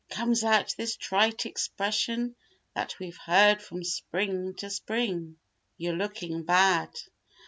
Comes out this trite expression that we've heard from spring to spring— "You're looking bad."